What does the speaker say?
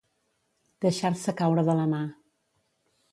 Deixar-se caure de la mà.